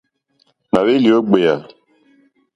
Nà hwélì ó ɡbèyà.